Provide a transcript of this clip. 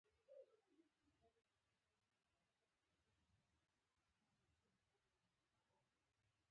خو د خطر هیڅ ډول زنګونه یې ونه اوریدل